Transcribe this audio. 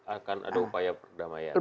akan ada upaya perdamaian